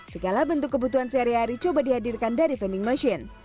segala bentuk kebutuhan sehari hari coba dihadirkan dari vending machine